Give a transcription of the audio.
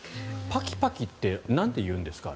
パキパキってなんでいうんですか？